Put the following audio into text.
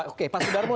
oke pak sudarmo